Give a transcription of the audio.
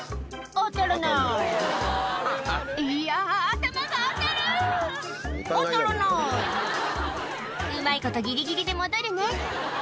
当たらないうまいことギリギリで戻るね